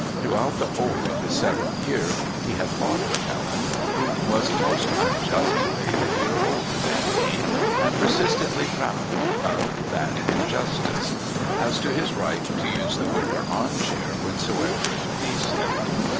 Throughout the whole of his seventh year he had fought with Helen, who was most unjustly a year older than he and persistently proud of that injustice, as to his right to use the wicker arm chair whensoever it pleased him.